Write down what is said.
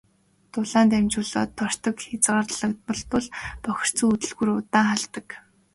Дулаан дамжуулалтыг тортог хязгаарладаг тул бохирдсон хөдөлгүүр удаан халдаг.